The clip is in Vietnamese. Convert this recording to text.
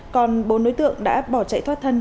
còn bốn đối tượng đã bỏ chạy thoát thân